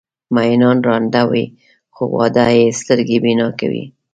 مینان ړانده وي خو واده یې سترګې بینا کوي.